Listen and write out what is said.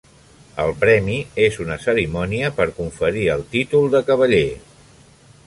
El premi és una cerimònia per conferir el títol de cavaller.